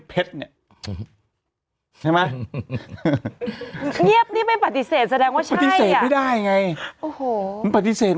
เพชเงียบนี่ไม่ปติเสจแสดงว่าใช่ไม่ได้ไงปยติเสจ